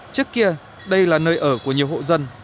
trước kia đây là nơi ở của nhiều hộ dân